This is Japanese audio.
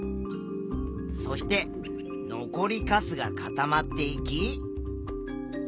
そして残りかすが固まっていき。